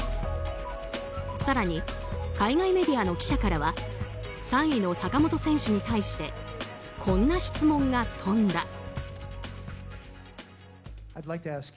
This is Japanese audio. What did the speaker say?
更に、海外メディアの記者からは３位の坂本選手に対してこんな質問が飛んだ。